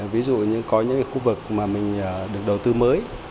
ví dụ như có những khu vực mà mình được đầu tư mới